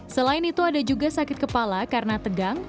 selain itu ada juga sakit kepala karena tegang